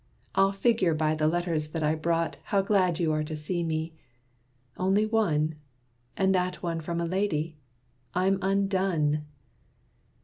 I'll figure by the letters that I brought How glad you are to see me. Only one? And that one from a lady? I'm undone!